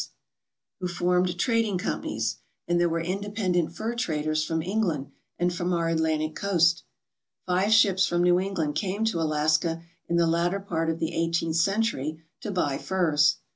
THE STORY OF "SEWARD'S ICE BOX" who formed trading companies, and there were inde pendent fur traders from England and from our Atlantic coast. Five ships from New England came to Alaska in the latter part of the eighteenth century to buy furs.